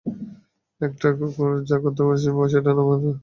একটা কুকুর দেখে যা করতে পারে, সিম্বা সেটা না দেখে করতে পারে।